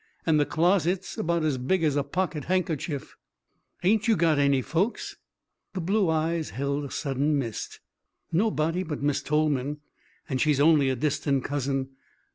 And the closet's about as big as a pocket handkerchief." "Ain't you got any folks?" The blue eyes held a sudden mist. "Nobody but Miss Tolman, and she's only a distant cousin.